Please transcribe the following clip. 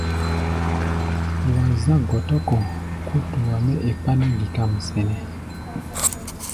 Wa zá̧ gɔtɔ-kɔ̧ kútua mɛ́ e kpáná-gi-kam sɛnɛ́.